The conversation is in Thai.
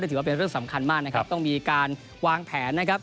ถือว่าเป็นเรื่องสำคัญมากนะครับต้องมีการวางแผนนะครับ